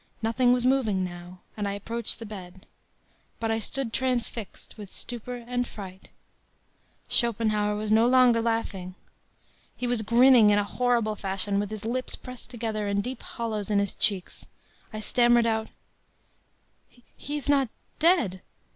Nothing was moving now, and I approached the bed. But I stood transfixed with stupor and fright: “Schopenhauer was no longer laughing! He was grinning in a horrible fashion, with his lips pressed together and deep hollows in his cheeks. I stammered out: “'He is not dead!'